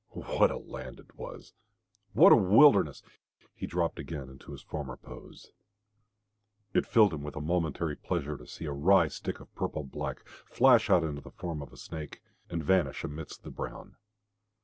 What a land it was! What a wilderness! He dropped again into his former pose. It filled him with a momentary pleasure to see a wry stick of purple black flash out into the form of a snake, and vanish amidst the brown.